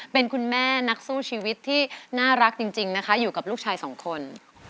เป็นคุณแม่นักสู้ชีวิตที่น่ารักจริงนะคะอยู่กับลูกชายสองคน